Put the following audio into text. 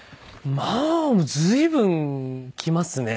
まあ随分来ますね。